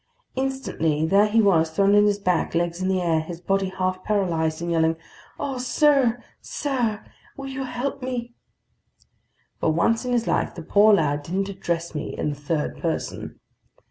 Instantly there he was, thrown on his back, legs in the air, his body half paralyzed, and yelling: "Oh, sir, sir! Will you help me!" For once in his life, the poor lad didn't address me "in the third person."